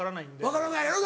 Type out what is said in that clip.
分からないやろ？